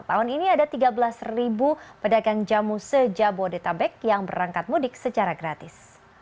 tahun ini ada tiga belas pedagang jamu se jabodetabek yang berangkat mudik secara gratis